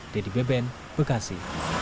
dedy beben bekasi